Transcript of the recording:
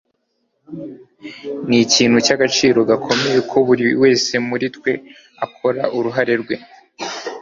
ni ikintu cy'agaciro gakomeye ko buri wese muri twe akora uruhare rwe